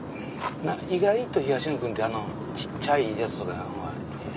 意外と東野君ってあの小っちゃいやつとか。